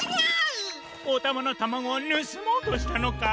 おたまのタマゴをぬすもうとしたのか？